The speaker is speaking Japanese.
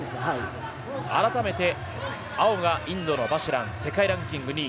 改めて青がインドのバジュラン世界ランキング２位。